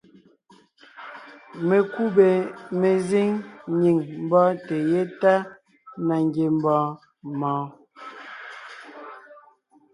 Mekúbè mezíŋ nyìŋ mbɔ́ɔnte yétana ngiembɔɔn mɔɔn.